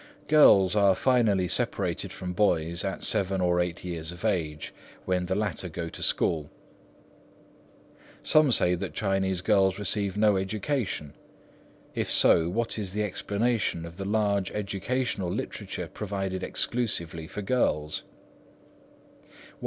Girls are finally separated from boys at seven or eight years of age, when the latter go to school. Some say that Chinese girls receive no education. If so, what is the explanation of the large educational literature provided expressly for girls?